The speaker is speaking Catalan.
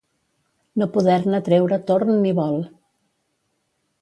No poder-ne treure torn ni vol.